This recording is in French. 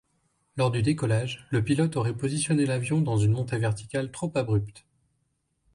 Lors du décollage, le pilote aurait positionné l'avion dans une montée verticale trop abrupte.